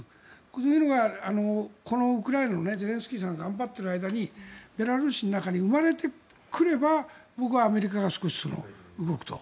こういうのがこのウクライナのゼレンスキーさんが頑張っている間にベラルーシの中に生まれてくれば僕はアメリカが少し動くと。